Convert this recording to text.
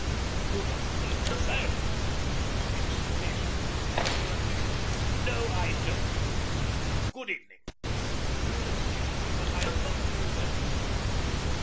You don't mean to say " His exultation made him hardly articulate. "No, I don't," said I. "Good evening! You will excuse me, but I am not very well to night."